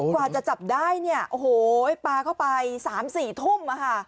กว่าจะจับได้ปลาเข้าไป๓๔ทุ่ม